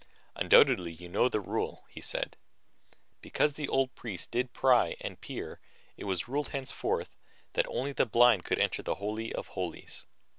"Undoubtedly you know of the rule," he said. "Because the old priests did pry and peer, it was ruled henceforth that only the blind could enter the Holy of Holies."